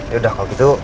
yaudah kalau gitu